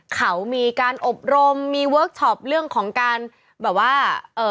เขามีการอบรมมีเวิร์คชอปเรื่องของการแบบว่าเอ่อ